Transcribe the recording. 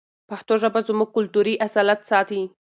پښتو ژبه زموږ کلتوري اصالت ساتي.